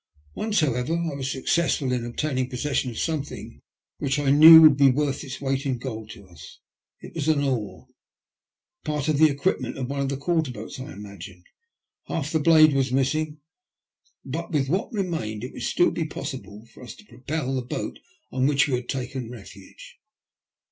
Once, however, I was successful in obtaining possession of something which I knew would be worth its weight in gold to us : it was an oar, part of the equipment of one of the quarter boats I imagined ; half the blade was missing, but with what remained it would still be possible for us to propel the boat on which we had taken refuge.